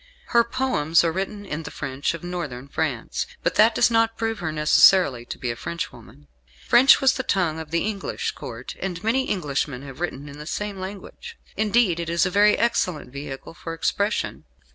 Her poems are written in the French of northern France; but that does not prove her necessarily to be a Frenchwoman. French was the tongue of the English Court, and many Englishmen have written in the same language. Indeed, it is a very excellent vehicle for expression.